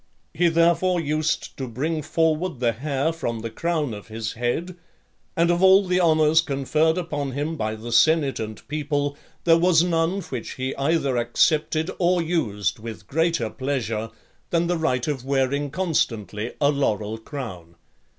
He therefore used to bring forward the hair from the crown of his head; and of all the honours conferred upon him by the senate and people, there was none which he either accepted or used with greater pleasure, than the right of wearing constantly a laurel crown.